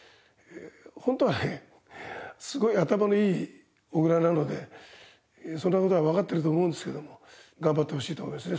本当はねすごい頭のいい小倉なのでそんな事はわかってると思うんですけども頑張ってほしいと思いますね。